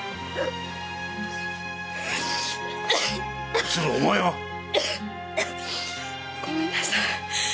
おつるお前は！ごめんなさい。